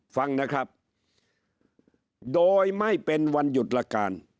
ฟังนะครับโดยไม่เป็นวันหยุดละการ